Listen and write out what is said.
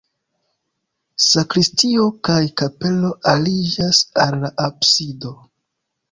Sakristio kaj kapelo aliĝas al la absido.